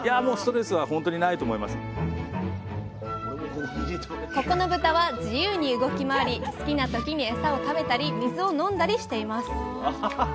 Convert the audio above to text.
ここの豚は自由に動き回り好きな時にエサを食べたり水を飲んだりしています。